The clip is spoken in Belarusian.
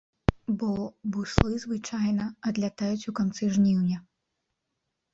Бо буслы звычайна адлятаюць у канцы жніўня.